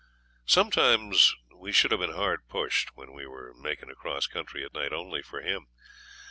Sometimes we should have been hard pushed when we were making across country at night only for him.